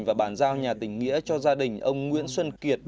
và bàn giao nhà tình nghĩa cho gia đình ông nguyễn xuân kiệt